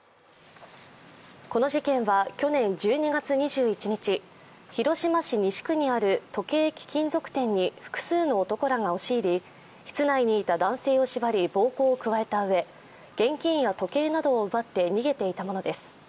この事件は去年１２月２１日、広島市西区にある時計・貴金属店に複数の男らが押し入り室内にいた男性を縛り暴行を加えたうえ現金や時計などを奪って逃げていたものです。